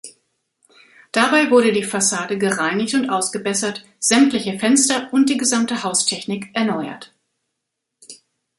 Dabei wurde die Fassade gereinigt und ausgebessert, sämtliche Fenster und die gesamte Haustechnik erneuert.